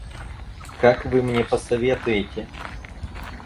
Как вы мне посоветуете?